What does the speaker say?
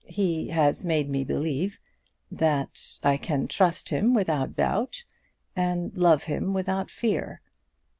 "He has made me believe that I can trust him without doubt, and love him without fear."